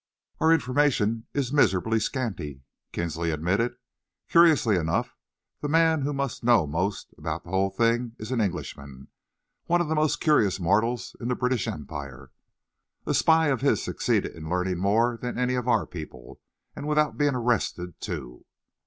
"Our information is miserably scanty," Kinsley admitted. "Curiously enough, the man who must know most about the whole thing is an Englishman, one of the most curious mortals in the British Empire. A spy of his succeeded in learning more than any of our people, and without being arrested, too."